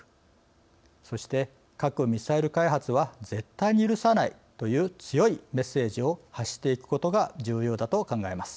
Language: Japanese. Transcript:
そして核・ミサイル開発は絶対に許さないという強いメッセージを発していくことが重要だと考えます。